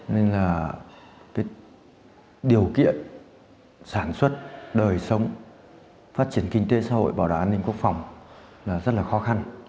nên là điều kiện sản xuất đời sống phát triển kinh tế xã hội bảo đảm an ninh quốc phòng là rất là khó khăn